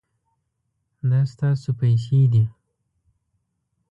دا ستاسو پیسې دي